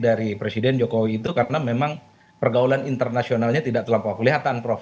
dari presiden jokowi itu karena memang pergaulan internasionalnya tidak terlampau kelihatan prof